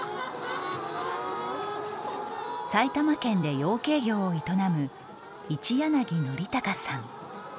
埼玉県で養鶏業を営む一柳憲隆さん。